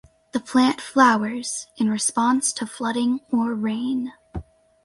The plant flowers in response to flooding or rain.